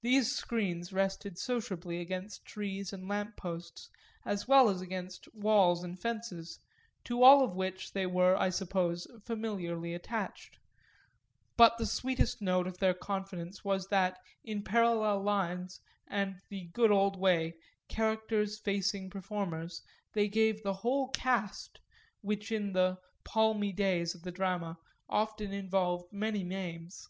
These screens rested sociably against trees and lamp posts as well as against walls and fences, to all of which they were, I suppose, familiarly attached; but the sweetest note of their confidence was that, in parallel lines and the good old way, characters facing performers, they gave the whole cast, which in the "palmy days" of the drama often involved many names.